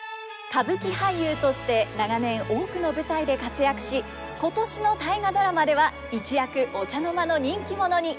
歌舞伎俳優として長年多くの舞台で活躍し今年の「大河ドラマ」では一躍お茶の間の人気者に。